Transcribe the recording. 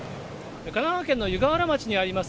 神奈川県の湯河原町にあります